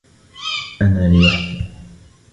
أنا لوحدي.